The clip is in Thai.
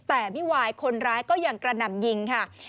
แต่มิวายคนร้ายก็ยังกระหน่ำยิง